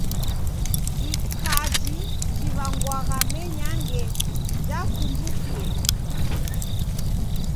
Ikaji jiw'angwagha menyange jafumbukie!